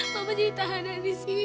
mama jadi tahanan di sini